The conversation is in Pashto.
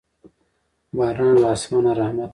باران له اسمانه رحمت دی.